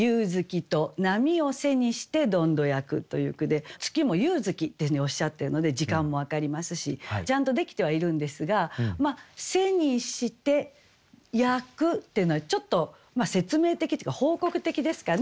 という句で月も「夕月」というふうにおっしゃってるので時間も分かりますしちゃんとできてはいるんですが「背にして」「焼く」っていうのはちょっと説明的っていうか報告的ですかね。